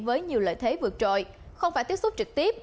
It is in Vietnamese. với nhiều lợi thế vượt trội không phải tiếp xúc trực tiếp